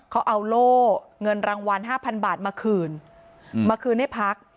เขาเอาโล่เงินรางวัล๕๐๐๐บาทมาคืนมาคืนให้พัก